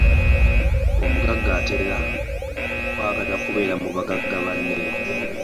Omugagga atera kwagala kubeera mu bagagga banne.